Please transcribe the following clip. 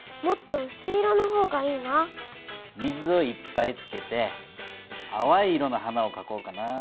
水をいっぱいつけてあわい色の花をかこうかな。